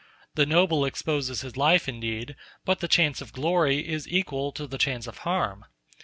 The noble exposes his life, indeed, but the chance of glory is equal to the chance of harm.